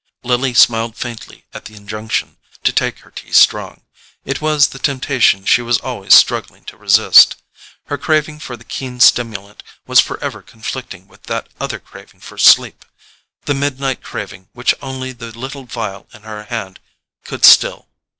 Lily smiled faintly at the injunction to take her tea strong. It was the temptation she was always struggling to resist. Her craving for the keen stimulant was forever conflicting with that other craving for sleep—the midnight craving which only the little phial in her hand could still.